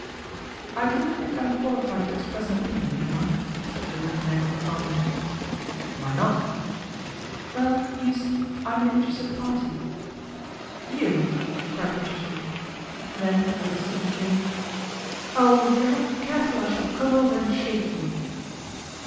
" I do not think I am qualified to express an opinion, am I ?" said Lady Tanagra calmly. :< Why not ?"' Well, you see, I am an interested party." " You !" cried Patricia, then with a sudden 174 PATRICIA BRENT, SPINSTER change, " Oh, if you are not careful I shall come over and shake you